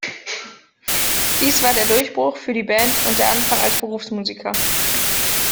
Dies war der Durchbruch für die Band und der Anfang als Berufsmusiker.